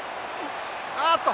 あっと！